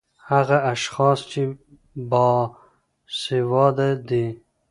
هغه اشحاص چې باسېواده دي